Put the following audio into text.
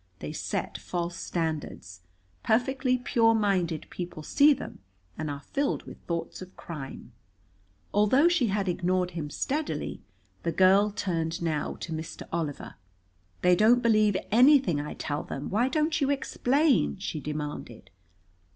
They set false standards. Perfectly pure minded people see them and are filled with thoughts of crime." Although she had ignored him steadily, the girl turned now to Mr. Oliver. "They don't believe anything I tell them. Why don't you explain?" she demanded.